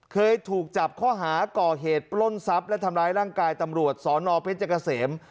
เคยถูกจับข้อหาก่อเหตุปล้นทรัพย์และทำร้ายร่างกายตำรวจสนเพชรเกษม